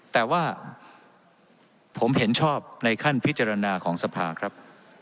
แต่ว่าผมเห็นชอบในขั้นพิจารณาของสภาครับ